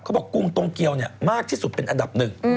ก็บอกกรุงโตเกียวมากที่สุดเป็นอันดับ๑